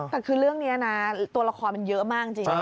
แต่คือเรื่องนี้นะตัวละครมันเยอะมากจริง